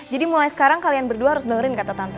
jadi mulai sekarang kalian berdua harus berhenti kata tante